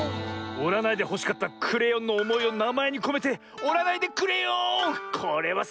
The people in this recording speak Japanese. おらないでほしかったクレヨンのおもいをなまえにこめて「おらないでくれよん」これはすばらしい。